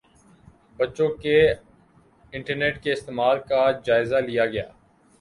بچوں کے انٹرنیٹ کے استعمال کا جائزہ لیا گیا